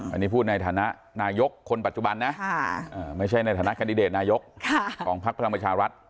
อันนี้พูดในฐานะนายกคนปัจจุบันนะไม่ใช่ในฐานะแคนดิเดตนายกของพักพลังประชารัฐ